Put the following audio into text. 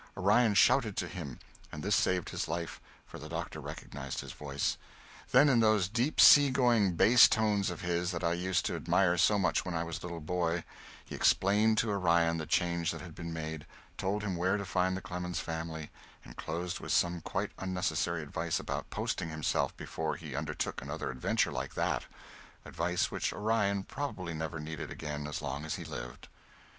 Orion shouted to him, and this saved his life, for the Doctor recognized his voice. Then in those deep sea going bass tones of his that I used to admire so much when I was a little boy, he explained to Orion the change that had been made, told him where to find the Clemens family, and closed with some quite unnecessary advice about posting himself before he undertook another adventure like that advice which Orion probably never needed again as long as he lived.